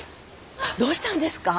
どうしたんですか？